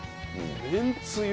めんつゆ。